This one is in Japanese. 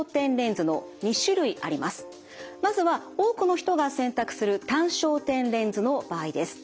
まずは多くの人が選択する単焦点レンズの場合です。